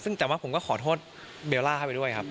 ซึ่งแต่ว่าผมก็ขอโทษเบลล่าเข้าไปด้วยครับ